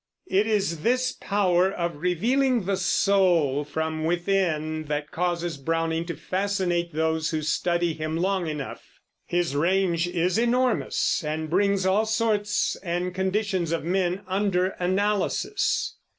It is this power of revealing the soul from within that causes Browning to fascinate those who study him long enough. His range is enormous, and brings all sorts and conditions of men under analysis.